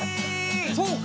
そうか！